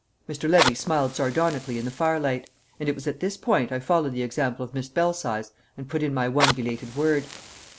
Mr. Levy smiled sardonically in the firelight. And it was at this point I followed the example of Miss Belsize and put in my one belated word.